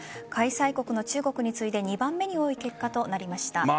開催国の中国に次いで２番目に多い結果となりました。